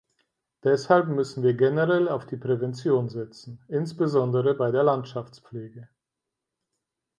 Deshalb müssen wir generell auf die Prävention setzen, insbesondere bei der Landschaftspflege.